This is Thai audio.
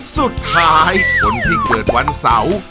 สุดท้ายคนที่เกิดวันเสาร์